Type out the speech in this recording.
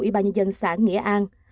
ủy ban nhân dân xã nghĩa an